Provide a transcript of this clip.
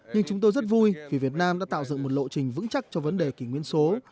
nhưng chúng tôi rất vui vì việt nam đã tạo dựng một lộ trình vững chắc cho vấn đề kỷ nguyên số